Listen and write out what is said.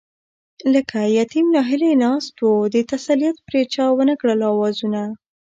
لکه يتيم ناهيلی ناست وو، د تسليت پرې چا ونکړل آوازونه